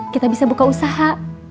kita bisa buka usaha